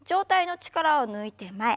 力を抜いて前に。